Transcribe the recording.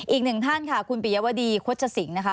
อีก๑ท่านค่ะคุณปิยวดีโคจศิงนะคะ